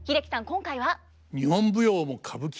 今回は？